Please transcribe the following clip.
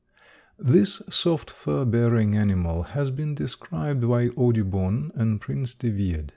_) This soft fur bearing animal has been described by Audubon and Prince De Wied.